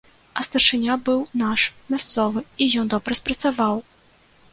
А старшыня быў наш, мясцовы, і ён добра спрацаваў.